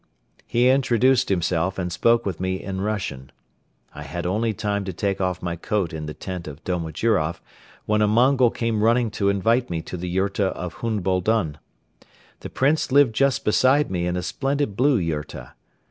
He introduced himself and spoke with me in Russian. I had only time to take off my coat in the tent of Domojiroff when a Mongol came running to invite me to the yurta of Hun Boldon. The Prince lived just beside me in a splendid blue yurta.